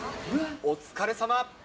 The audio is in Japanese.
お疲れさま。